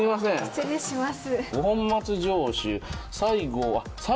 失礼します。